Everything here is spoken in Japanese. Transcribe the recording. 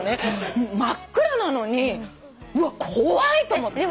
真っ暗なのにうわっ怖い！と思って。